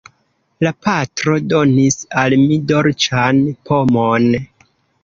La patro donis al mi dolĉan pomon.